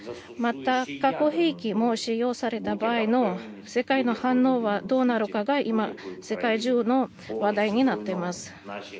また、核兵器も使用された場合の世界の反応はどうなるかが今、世界中の話題になっています